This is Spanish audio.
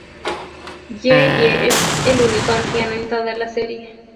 Ye Ye es el único anciano en toda la serie.